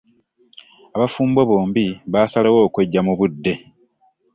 Abafumbo bombi baasalawo okweggya mu budde.